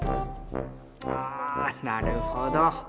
あなるほど！